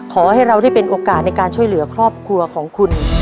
ขอให้เราได้เป็นโอกาสในการช่วยเหลือครอบครัวของคุณ